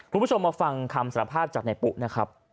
คุณผู้ชมมาฟังคำสารภาพจากนายปุ๊นะครับ